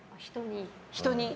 人に？